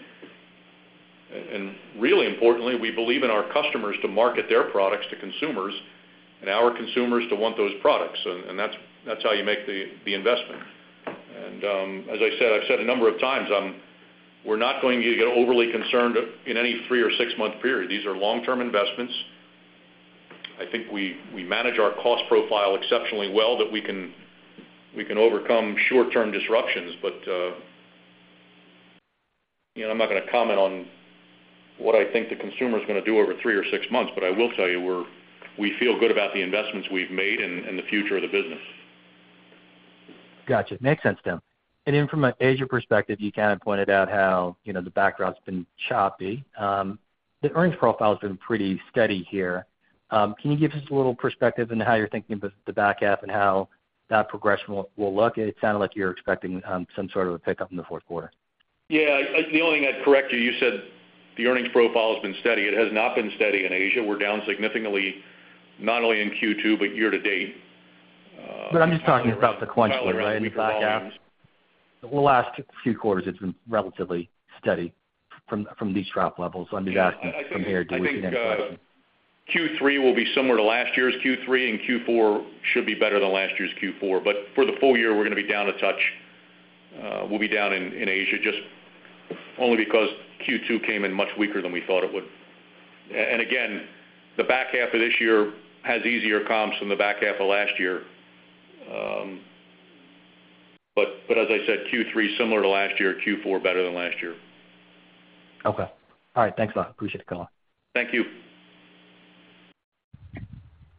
Really importantly, we believe in our customers to market their products to consumers and our consumers to want those products, and that's how you make the investment. As I said, I've said a number of times, we're not going to get overly concerned in any three or six-month period. These are long-term investments. I think we manage our cost profile exceptionally well, that we can overcome short-term disruptions. You know, I'm not going to comment on what I think the consumer is going to do over three or six months, but I will tell you, we feel good about the investments we've made and the future of the business. Gotcha. Makes sense, Tim. From an Asia perspective, you kind of pointed out how, you know, the background's been choppy. The earnings profile has been pretty steady here. Can you give us a little perspective on how you're thinking about the back half and how that progression will look? It sounded like you're expecting some sort of a pickup in the Q4. Yeah, the only, I'd correct you said the earnings profile has been steady. It has not been steady in Asia. We're down significantly, not only in Q2, but year to date. I'm just talking about sequentially, right? In the back half. The last few quarters, it's been relatively steady from these drop levels. I'm just asking from here, do we see any improvement? I think Q3 will be similar to last year's Q3, Q4 should be better than last year's Q4. For the full year, we're going to be down a touch. We'll be down in Asia, just only because Q2 came in much weaker than we thought it would. Again, the back half of this year has easier comps than the back half of last year. As I said, Q3, similar to last year, Q4, better than last year. Okay. All right. Thanks a lot. Appreciate the call. Thank you.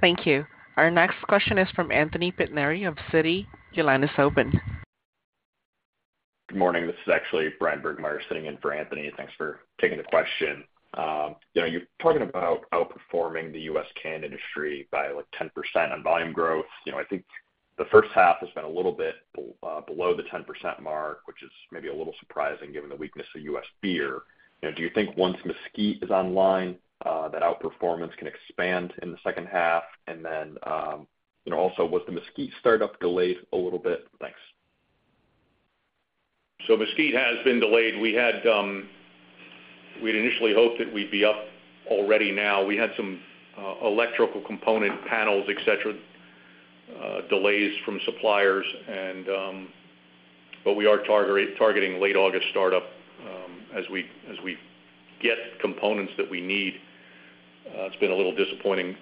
Thank you. Our next question is from Anthony Pettinari of Citi. Your line is open. Good morning. This is actually Bryan Burgmeier sitting in for Anthony. Thanks for taking the question. You know, you're talking about outperforming the US can industry by, like, 10% on volume growth. You know, I think the H1 has been a little bit below the 10% mark, which is maybe a little surprising given the weakness of US beer. You know, do you think once Mesquite is online, that outperformance can expand in the H2? Was the Mesquite startup delayed a little bit? Thanks. Mesquite has been delayed. We had, we'd initially hoped that we'd be up already now. We had some electrical component panels, et cetera, delays from suppliers and, but we are targeting late August startup, as we, as we get components that we need. It's been a little disappointing.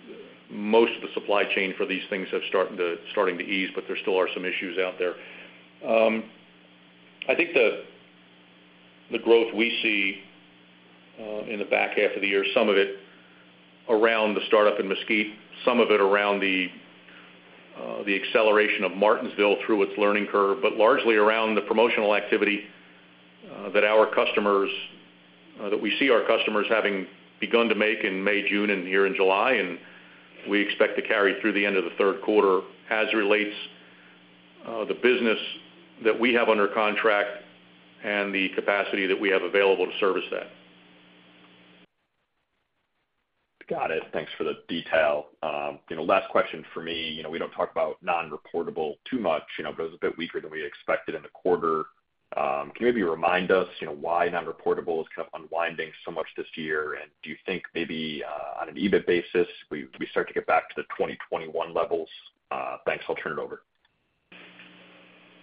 Most of the supply chain for these things have starting to ease, but there still are some issues out there. I think the growth we see in the back half of the year, some of it around the startup in Mesquite, some of it around the acceleration of Martinsville through its learning curve, but largely around the promotional activity that our customers, that we see our customers having begun to make in May, June, and here in July, and we expect to carry through the end of the Q3 as relates the business that we have under contract and the capacity that we have available to service that. Got it. Thanks for the detail. You know, last question for me. You know, we don't talk about non-reportable too much. You know, it was a bit weaker than we expected in the quarter. Can you maybe remind us, you know, why non-reportable is kind of unwinding so much this year? Do you think maybe on an EBIT basis, we start to get back to the 2021 levels? Thanks. I'll turn it over.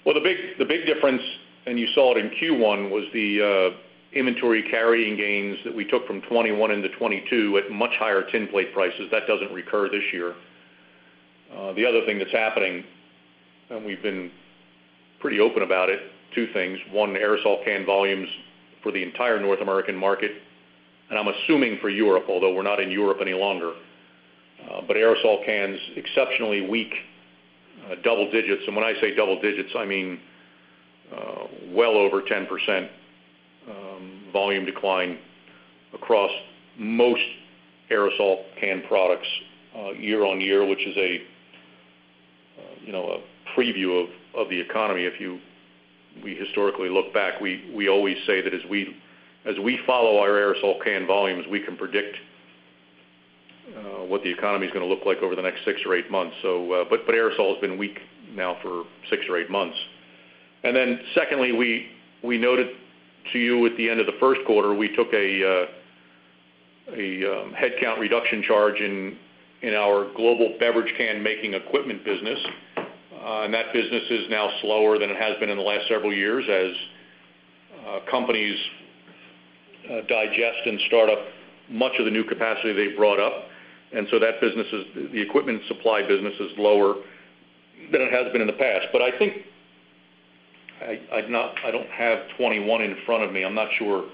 The big difference, and you saw it in Q1, was the inventory carrying gains that we took from 2021 into 2022 at much higher tinplate prices. That doesn't recur this year. The other thing that's happening, and we've been pretty open about it, two things: One, aerosol can volumes for the entire North American market, and I'm assuming for Europe, although we're not in Europe any longer. Aerosol cans, exceptionally weak, double digits, and when I say double digits, I mean, well over 10%, volume decline across most aerosol can products, year-over-year, which is a, you know, a preview of the economy. We historically look back, we always say that as we follow our aerosol can volumes, we can predict what the economy is going to look like over the next six or eight months. Aerosol has been weak now for six or eight months. Secondly, we noted to you at the end of the Q1, we took a headcount reduction charge in our global beverage can making equipment business. That business is now slower than it has been in the last several years as companies digest and start up much of the new capacity they brought up. The equipment supply business is lower than it has been in the past. I don't have 21 in front of me. I'm not sure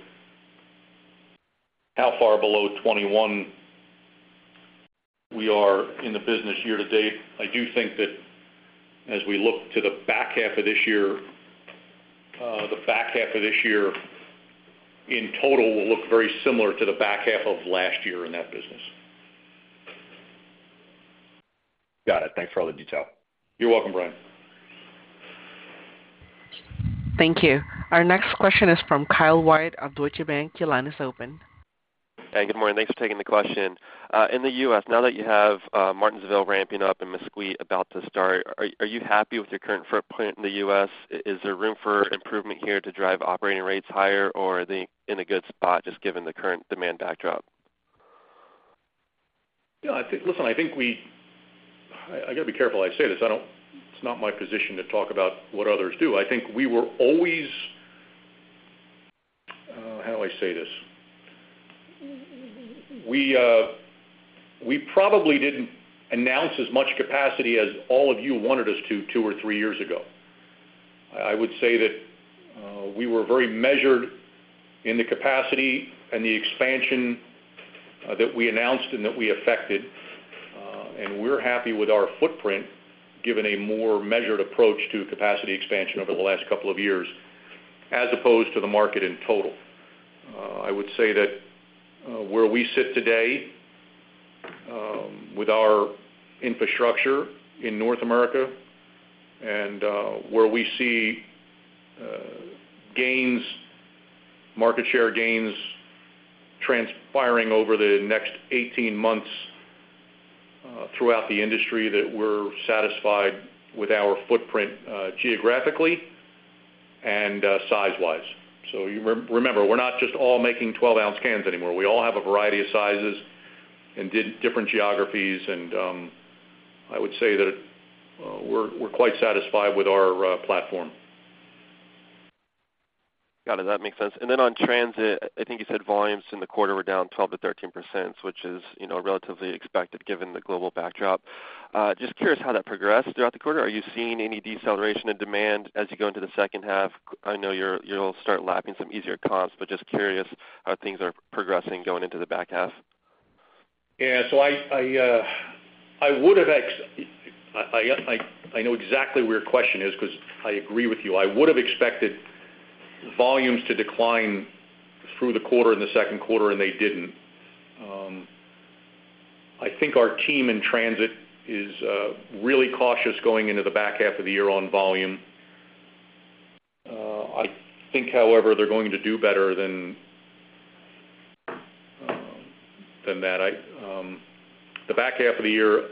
how far below 21 we are in the business year to date. I do think that as we look to the back half of this year, in total, will look very similar to the back half of last year in that business. Got it. Thanks for all the detail. You're welcome, Bryan. Thank you. Our next question is from Kyle White of Deutsche Bank. Your line is open. Hey, good morning. Thanks for taking the question. In the U.S., now that you have Martinsville ramping up and Mesquite about to start, are you happy with your current footprint in the U.S.? Is there room for improvement here to drive operating rates higher, or are they in a good spot, just given the current demand backdrop? Yeah, I think. Listen, I think I got to be careful how I say this. It's not my position to talk about what others do. I think we were always, how do I say this? We probably didn't announce as much capacity as all of you wanted us to, two or three years ago. I would say that we were very measured in the capacity and the expansion that we announced and that we affected. We're happy with our footprint, given a more measured approach to capacity expansion over the last couple of years, as opposed to the market in total. I would say that where we sit today, with our infrastructure in North America and where we see gains, market share gains transpiring over the next 18 months, throughout the industry, that we're satisfied with our footprint, geographically and size-wise. Remember, we're not just all making 12-ounce cans anymore. We all have a variety of sizes and different geographies, and I would say that we're quite satisfied with our platform. Got it. That makes sense. Then on Transit, I think you said volumes in the quarter were down 12%-13%, which is, you know, relatively expected given the global backdrop. Just curious how that progressed throughout the quarter. Are you seeing any deceleration in demand as you go into the H2? I know you'll start lapping some easier comps, but just curious how things are progressing going into the back half. I know exactly where your question is, 'cause I agree with you. I would have expected volumes to decline through the quarter, in the Q2. They didn't. I think our team in Transit is really cautious going into the back half of the year on volume. I think, however, they're going to do better than that. The back half of the year,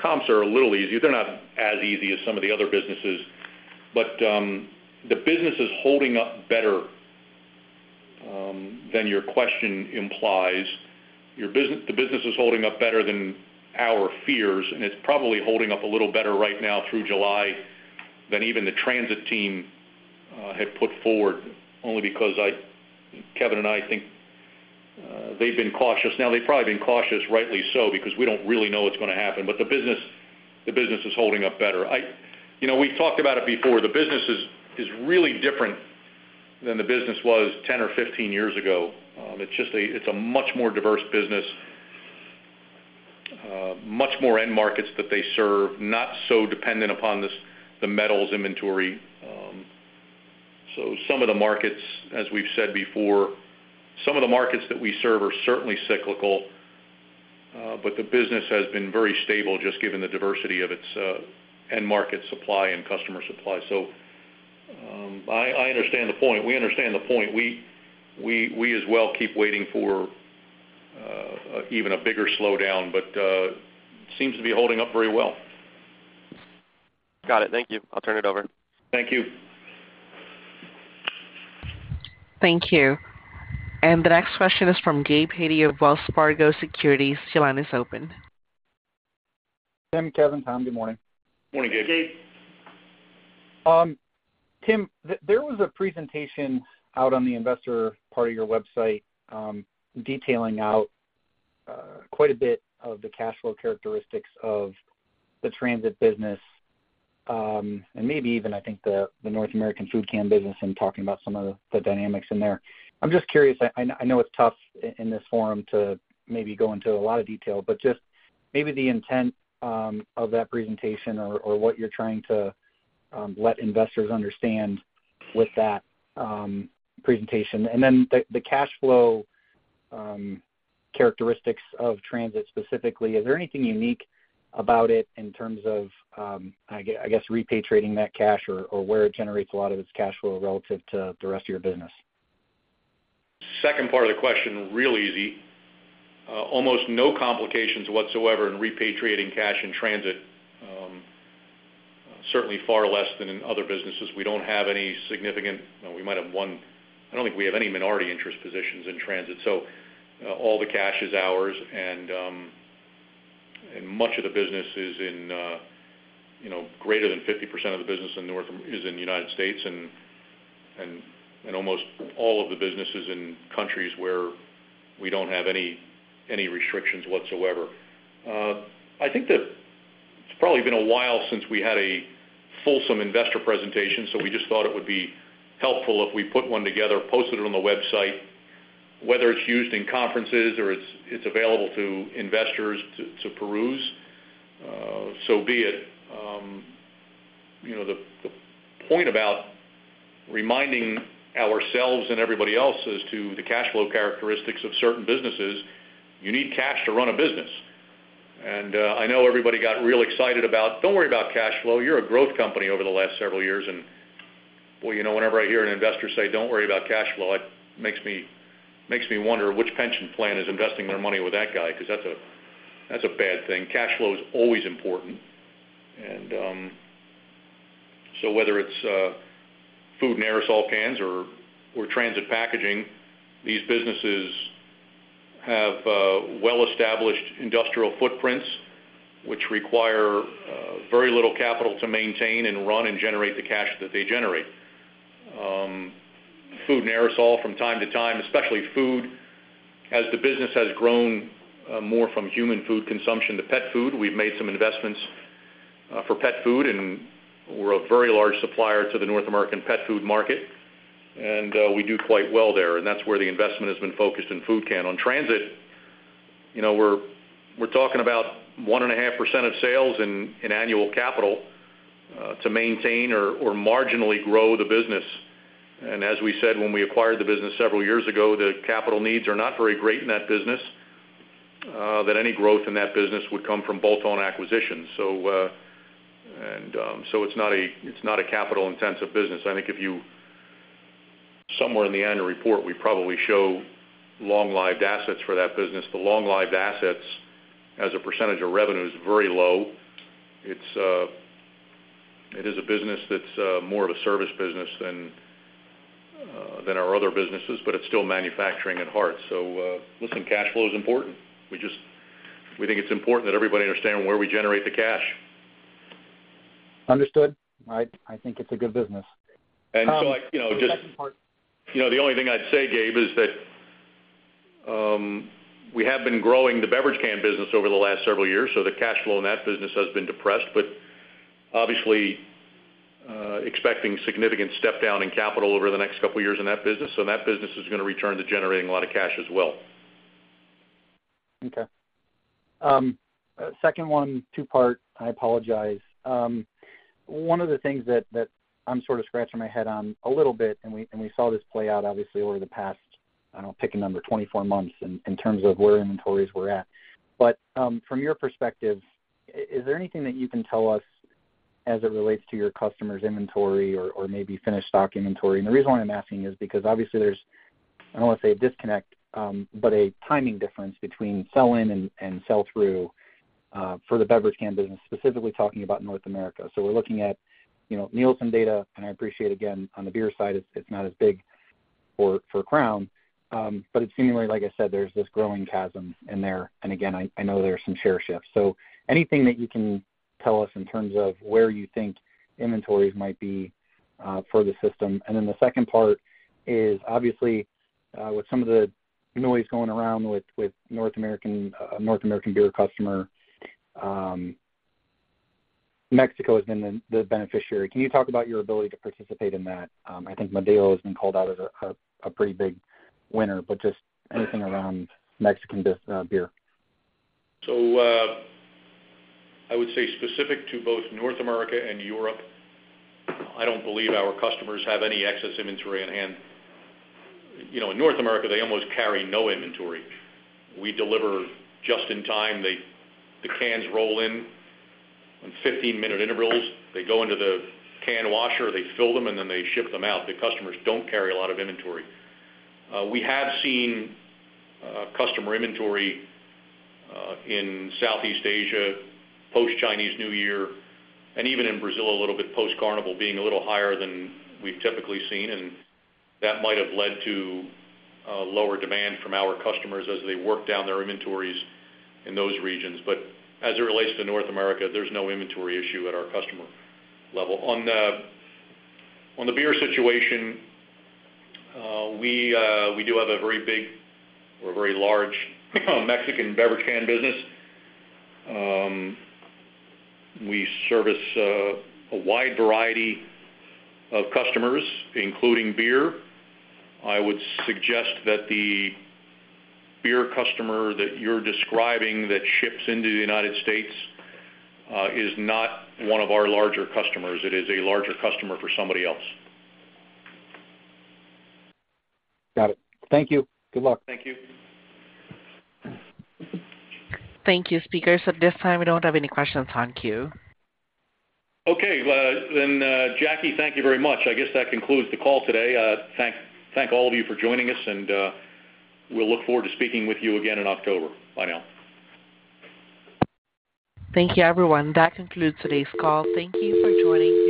comps are a little easier. They're not as easy as some of the other businesses. The business is holding up better than your question implies. The business is holding up better than our fears, it's probably holding up a little better right now through July than even the Transit team had put forward, only because Kevin and I think they've been cautious. They've probably been cautious, rightly so, because we don't really know what's going to happen. The business is holding up better. You know, we've talked about it before. The business is really different than the business was 10 or 15 years ago. It's just a much more diverse business. Much more end markets that they serve, not so dependent upon the metals inventory. Some of the markets, as we've said before, some of the markets that we serve are certainly cyclical, but the business has been very stable, just given the diversity of its end market supply and customer supply. I understand the point. We understand the point. We as well, keep waiting for even a bigger slowdown, but seems to be holding up very well. Got it. Thank you. I'll turn it over. Thank you. Thank you. The next question is from Gabe Hajde of Wells Fargo Securities. Your line is open. Tim, Kevin, Tom, good morning. Morning, Gabe. Tim, there was a presentation out on the investor part of your website, detailing out quite a bit of the cash flow characteristics of the Transit business, and maybe even I think the North American food can business and talking about some of the dynamics in there. I'm just curious, I know it's tough in this forum to maybe go into a lot of detail, but just maybe the intent of that presentation or what you're trying to let investors understand with that presentation. Then the cash flow characteristics of Transit specifically, is there anything unique about it in terms of, I guess, repatriating that cash or where it generates a lot of its cash flow relative to the rest of your business? Second part of the question, real easy. Almost no complications whatsoever in repatriating cash and transit. Certainly, far less than in other businesses. We don't have any significant. I don't think we have any minority interest positions in transit, so all the cash is ours. Much of the business is in, you know, greater than 50% of the business in North America is in the United States. Almost all of the businesses in countries where we don't have any restrictions whatsoever. I think that it's probably been a while since we had a fulsome investor presentation. We just thought it would be helpful if we put one together, post it on the website, whether it's used in conferences or it's available to investors to peruse, so be it. You know, the point about reminding ourselves and everybody else as to the cash flow characteristics of certain businesses, you need cash to run a business. I know everybody got real excited about, "Don't worry about cash flow. You're a growth company over the last several years." Boy, you know, whenever I hear an investor say, "Don't worry about cash flow," it makes me wonder which pension plan is investing their money with that guy, 'cause that's a bad thing. Cash flow is always important. So, whether it's food and aerosol cans or Transit Packaging, these businesses have well-established industrial footprints, which require very little capital to maintain and run and generate the cash that they generate. Food and aerosol from time to time, especially food, as the business has grown, more from human food consumption to pet food, we've made some investments, for pet food, and we're a very large supplier to the North American pet food market, and we do quite well there, and that's where the investment has been focused in food can. On Transit, you know, we're talking about 1.5% of sales in annual capital, to maintain or marginally grow the business. As we said when we acquired the business several years ago, the capital needs are not very great in that business, that any growth in that business would come from bolt-on acquisitions. So, it's not a capital-intensive business. I think if you somewhere in the annual report, we probably show long-lived assets for that business. The long-lived assets as a percentage of revenue is very low. It's, it is a business that's more of a service business than our other businesses, but it's still manufacturing at heart. Listen, cash flow is important. We just think it's important that everybody understand where we generate the cash. Understood. I think it's a good business. And so like, you know, just- Second part. You know, the only thing I'd say, Gabe, is that, we have been growing the beverage can business over the last several years, so the cash flow in that business has been depressed, but obviously, expecting significant step down in capital over the next couple of years in that business. That business is going to return to generating a lot of cash as well. Okay. Second one, two-part. I apologize. One of the things that I'm sort of scratching my head on a little bit, and we saw this play out obviously over the past, I don't know, pick a number, 24 months, in terms of where inventories were at. From your perspective, is there anything that you can tell us as it relates to your customers' inventory or maybe finished stock inventory? The reason why I'm asking is because, obviously, there's, I don't want to say a disconnect, but a timing difference between sell-in and sell-through, for the beverage can business, specifically talking about North America. We're looking at, you know, Nielsen data, and I appreciate, again, on the beer side, it's not as big for Crown, but it seemingly, like I said, there's this growing chasm in there. Again, I know there are some share shifts. Anything that you can tell us in terms of where you think inventories might be for the system? The second part is, obviously, with some of the noise going around with North American beer customer, Mexico has been the beneficiary. Can you talk about your ability to participate in that? I think Modelo has been called out as a pretty big winner, but just anything around Mexican beer. I would say specific to both North America and Europe, I don't believe our customers have any excess inventory on hand. You know, in North America, they almost carry no inventory. We deliver just in time. The cans roll in 15-minute intervals. They go into the can washer, they fill them, and then they ship them out. The customers don't carry a lot of inventory. We have seen customer inventory in Southeast Asia, post-Chinese New Year, and even in Brazil, a little bit post-Carnival, being a little higher than we've typically seen, and that might have led to lower demand from our customers as they work down their inventories in those regions. As it relates to North America, there's no inventory issue at our customer level. On the beer situation, we do have a very big or a very large Mexican beverage can business. We service a wide variety of customers, including beer. I would suggest that the beer customer that you're describing that ships into the United States, is not one of our larger customers. It is a larger customer for somebody else. Got it. Thank you. Good luck. Thank you. Thank you, speakers. At this time, we don't have any questions on queue. Okay. Jackie, thank you very much. I guess that concludes the call today. Thank all of you for joining us, and we'll look forward to speaking with you again in October. Bye now. Thank you, everyone. That concludes today's call. Thank you for joining.